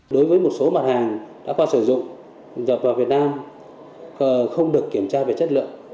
đối với một số mặt hàng đã qua sử dụng nhập vào việt nam không được kiểm tra về chất lượng